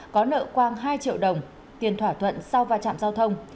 có nợ quang hai triệu đồng tiền thỏa thuận sau va chạm giao thông